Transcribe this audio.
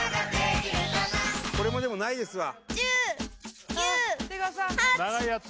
これもでもないですわ